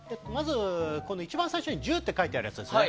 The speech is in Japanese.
一番最初に１０って書いてあるやつです。